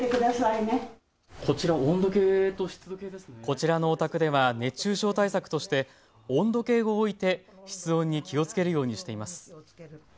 こちらのお宅では熱中症対策として温度計を置いて室温に気をつけるようにしています。